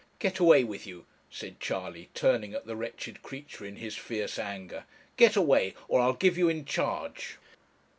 'Get away with you,' said Charley, turning at the wretched creature in his fierce anger; 'get away, or I'll give you in charge.'